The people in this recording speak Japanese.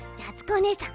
おねえさん